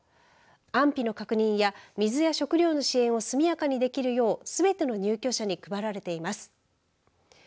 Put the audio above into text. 安否の確認や水や食料の支援を速やかにできるようすべての入居者に配られています。